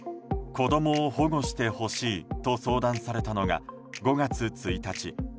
子供を保護してほしいと相談されたのが５月１日。